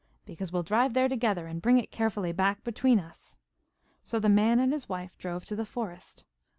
'Because we'll drive there together and bring it carefully back between us.' So the man and his wife drove to the forest.